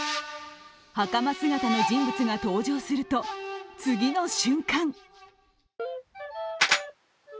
はかま姿の人物が登場すると次の瞬間。